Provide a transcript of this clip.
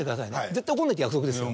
絶対怒んないって約束ですよ。